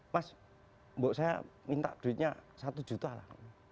mas bu saya minta duitnya satu juta lah